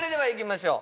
ましょう